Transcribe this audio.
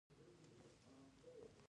دوی جعلي شاعران او لیکوالان روزلي دي